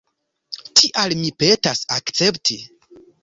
Tial mi petas akcepti.